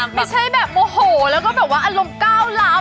ไม่ใช่แบบโมโหอย่างร้องก้าวร้าวแบบคลิ้งเข้าของ